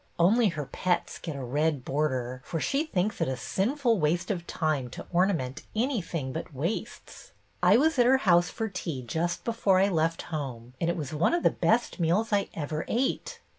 Only her pets get a red border, for she thinks it a sinful waste of time to ornament anything but waists. I was at her house for tea just before I left home, and it was one of the best meals I ever ate.